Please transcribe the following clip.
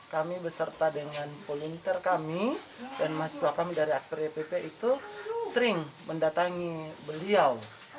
kami beserta dengan volunteer kami dan mahasiswa kami dari aktor dpp itu sering mendatangi beliau